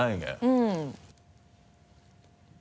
うん。